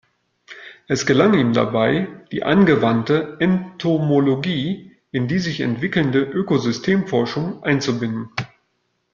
Es gelang ihm dabei, die angewandte Entomologie in die sich entwickelnde Ökosystemforschung einzubinden.